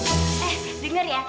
eh denger ya